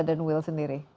dan will sendiri